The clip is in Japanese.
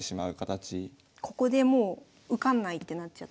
ここでもう受かんないってなっちゃってる。